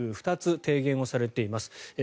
２つ提言をされています。